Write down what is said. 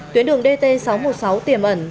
tuyến đường dt sáu trăm một mươi sáu tiềm ẩn